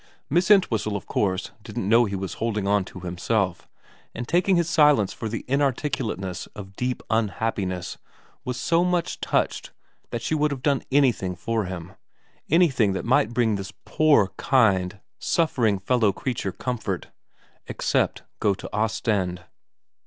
Miss Entwhistle of course didn't know he was holding on to himself, and taking his silence for the inarticulateness of deep un happiness was so much touched that she would have done anything for him, anything that might bring this poor, kind, suffering fellow creature comfort except go to Ostend.